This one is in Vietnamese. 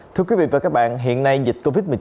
thưa quý vị và các bạn hiện nay dịch covid một mươi chín